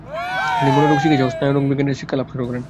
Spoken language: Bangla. তিনি মনোরোগ চিকিৎসা ও স্নায়ুরোগবিজ্ঞানে শিক্ষালাভ শুরু করেন।